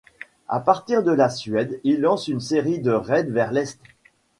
À partir de la Suède, il lance une série de raids vers l'est.